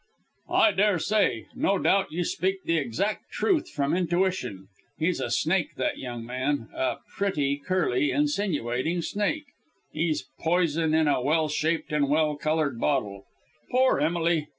"I daresay; no doubt you speak the exact truth from intuition. He's a snake that young man, a pretty, curly, insinuating snake; he's poison in a well shaped and well coloured bottle. Poor Emily!